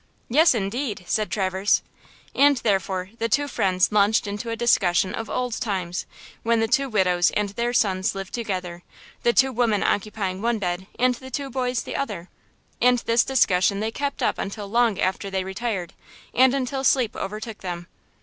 "Yes, indeed," said Traverse. And thereupon the two friends launched into a discussion of old times, when the two widows and their sons lived together–the two women occupying one bed, and the two boys the other. And this discussion they kept up until long after they retired, and until sleep overtook them.